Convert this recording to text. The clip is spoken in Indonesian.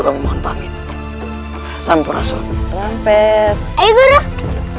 kamu mohon pamit sampai langsung rampes eh guru siap